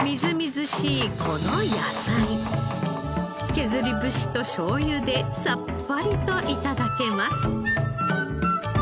削り節としょうゆでさっぱりと頂けます。